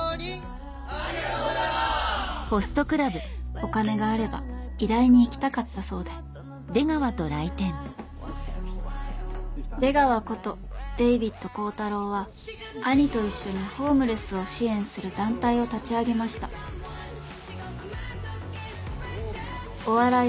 お金があれば医大に行きたかったそうで「出川」ことデイビッド幸太郎は兄と一緒にホームレスを支援する団体を立ち上げました「お笑い」